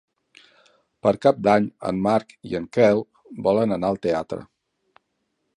Per Cap d'Any en Marc i en Quel volen anar al teatre.